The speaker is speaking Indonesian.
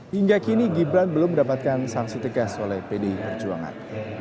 hingga kini gibran belum mendapatkan sanksi tegas oleh pdi perjuangan